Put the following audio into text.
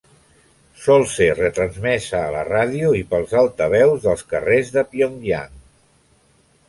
Sol ser retransmesa a la ràdio i pels altaveus dels carrers de Pyongyang.